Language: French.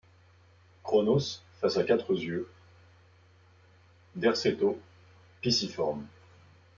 Chronos, face à quatre yeux, Derceto pisciforme ;